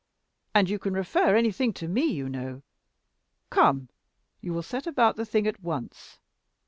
And you can refer anything to me, you know. Come, you will set about the thing at once.